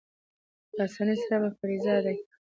په آسانۍ سره به فریضه ادا کړي.